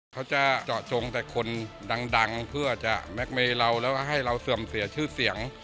เขาจะเจาะจงแต่คนดังเพื่อจะแม็กเมย์เราแล้วก็ให้เราเสื่อมเสียชื่อเสียง